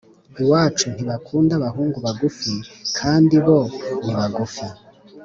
Iwacu ntibakunda abahungu bagufi kandi bo nibagufi